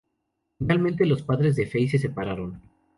Finalmente los padres de Fey se separaron.